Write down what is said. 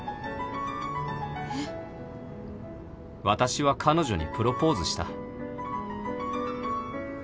私は彼女にプロポーズした